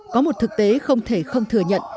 có một thực tế không thể không thừa nhận